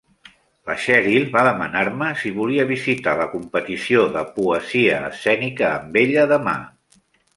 La Cheryl va demanar-me si volia visitar la competició de poesia escènica amb ella demà.